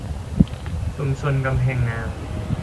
ชุมชนกำแพงงาม